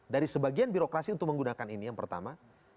dari sebagian birokrasi untuk menggunakan ini yang pertama